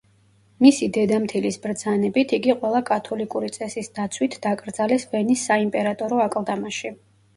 მისი დედამთილის ბრძანებით, იგი ყველა კათოლიკური წესის დაცვით დაკრძალეს ვენის საიმპერატორო აკლდამაში.